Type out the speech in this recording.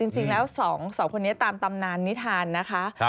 จริงแล้ว๒คนนี้ตามตำนานนิทานนะคะ